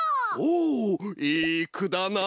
おおいいくだな！